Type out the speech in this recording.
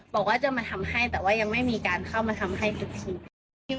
บอกว่าจะมาทำให้แต่ว่ายังไม่มีการเข้ามาทำให้ทุกที